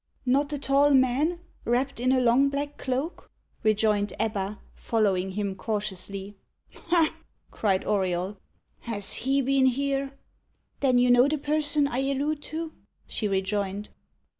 "Not a tall man, wrapped in a long black cloak?" rejoined Ebba, following him cautiously. "Ha!" cried Auriol. "Has he been here?" "Then you know the person I allude to?" she rejoined.